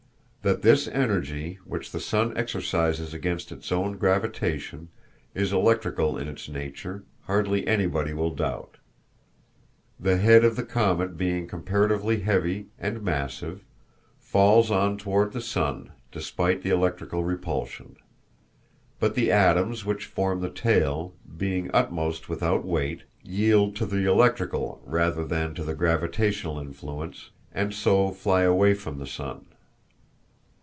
That this energy, which the sun exercises against its own gravitation, is electrical in its nature, hardly anybody will doubt. The head of the comet being comparatively heavy and massive, falls on toward the sun, despite the electrical repulsion. But the atoms which form the tail, being almost without weight, yield to the electrical rather than to the gravitational influence, and so fly away from the sun.